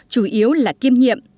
chủ yếu là kiêm nhiệm